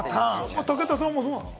武田さんもそうですか？